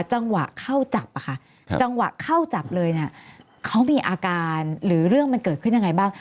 จังหวะเข้าจับอะค่ะจังหวะเข้าจับเลยเนี่ยเขามีอาการหรือเรื่องมันเกิดขึ้นยังไงบ้าง